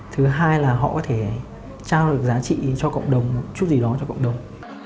thứ hai là họ có thể trao được giá trị cho cộng đồng một chút gì đó cho cộng đồng